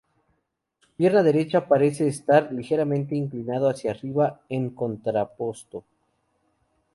Su pierna derecha parece estar ligeramente inclinado hacia arriba en contrapposto.